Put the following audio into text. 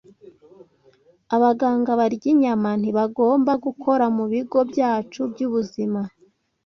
Abaganga barya inyama ntibagomba gukora mu bigo byacu by’ubuzima